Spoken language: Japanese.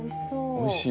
おいしい。